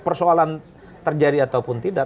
persoalan terjadi ataupun tidak